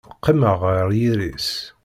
Qqimeɣ ɣer yiri-s.